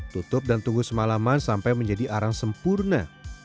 tutup dan tunggu semalaman sampai menjadi arang sempurna